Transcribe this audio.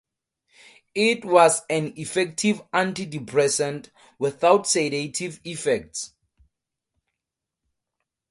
It was an effective antidepressant, without sedative effects.